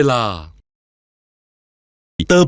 นางเฟิร์น